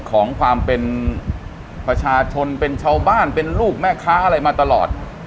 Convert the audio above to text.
ของความเป็นประชาชนเป็นชาวบ้านเป็นลูกแม่ค้าอะไรมาตลอด